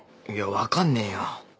いや分かんねえよ。